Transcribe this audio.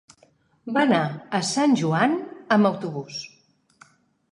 Va anar a Sant Joan amb autobús.